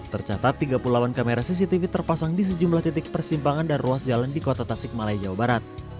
tercatat tiga puluh delapan kamera cctv terpasang di sejumlah titik persimpangan dan ruas jalan di kota tasik malaya jawa barat